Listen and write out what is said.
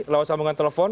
lawan sambungan telepon